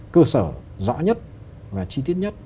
cơ sở rõ nhất và chi tiết nhất